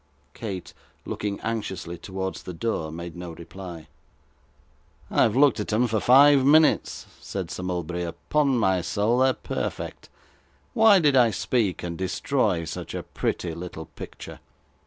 Kate, looking anxiously towards the door, made no reply. 'I have looked at 'em for five minutes,' said Sir Mulberry. 'Upon my soul, they're perfect. Why did I speak, and destroy such a pretty little picture?